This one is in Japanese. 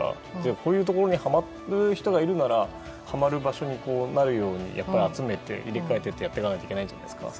こういうところにはまる人がいるならはまる場所になるように集めて入れ替えてってやっていかないといけないんじゃないですか。